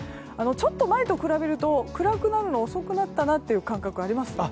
ちょっと前と比べると暗くなるの遅くなったなという感覚あります？